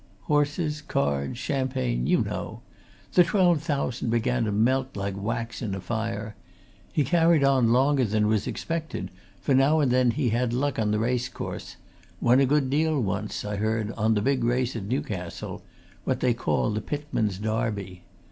Horses, cards, champagne you know! The twelve thousand began to melt like wax in a fire. He carried on longer than was expected, for now and then he had luck on the race course; won a good deal once, I heard, on the big race at Newcastle what they call the Pitman's Darby.